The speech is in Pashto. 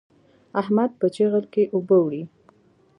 احمد په چيغل کې اوبه وړي.